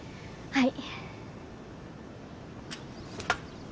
はい。